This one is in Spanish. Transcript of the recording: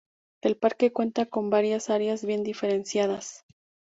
El parque cuenta con varias áreas bien diferenciadas.